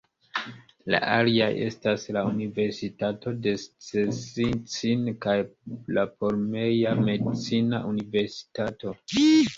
La aliaj estas la Universitato de Szczecin kaj la Pomeria Medicina Universitato.